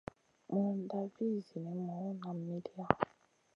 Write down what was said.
Mununda vih zinimu nam midia.